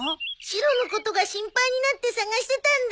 シロのことが心配になって捜してたんだ。